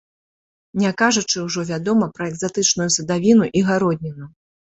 Не кажучы ўжо, вядома, пра экзатычную садавіну і гародніну.